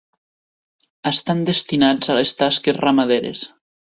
Estan destinats a les tasques ramaderes.